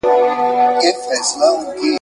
خورهار يې رسېدى تر گاونډيانو ,